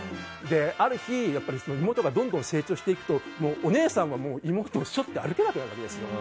ある日妹がどんどん成長していくとお姉さんは妹を背負って歩けなくなるんですよ。